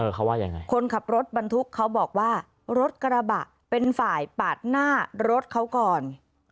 เขาว่ายังไงคนขับรถบรรทุกเขาบอกว่ารถกระบะเป็นฝ่ายปาดหน้ารถเขาก่อน